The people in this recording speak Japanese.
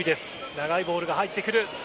長いボールが入ってくる。